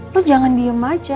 lo jangan diem aja